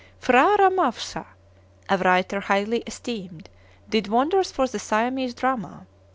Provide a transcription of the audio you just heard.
P'hra Ramawsha, a writer highly esteemed, did wonders for the Siamese drama.